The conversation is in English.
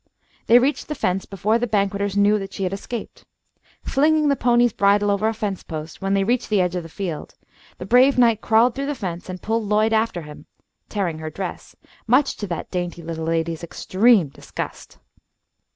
They reached the fence before the banqueters knew that she had escaped. Flinging the pony's bridle over a fence post, when they reached the edge of the field, the brave knight crawled through the fence and pulled Lloyd after him, tearing her dress, much to that dainty little lady's extreme disgust.